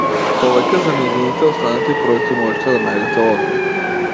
Повеќе за нејзините останати проекти можете да најдете овде.